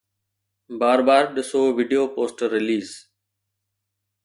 بار بار ڏسو video poster release